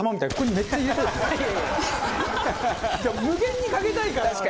無限にかけたいから。